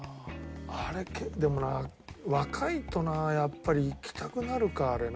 あれでもな若いとなやっぱりいきたくなるかあれな。